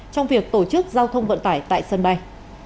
trong việc tổ chức giao thông vận tải tại sân bay